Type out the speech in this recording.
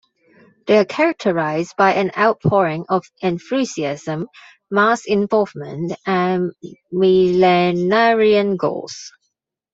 They are characterized by an outpouring of enthusiasm, mass involvement and millenarian goals.